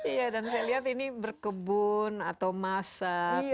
iya dan saya lihat ini berkebun atau masak